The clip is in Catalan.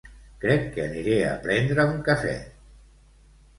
Crec que aniré a prendre un cafè.